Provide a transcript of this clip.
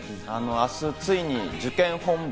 明日ついに受験本番。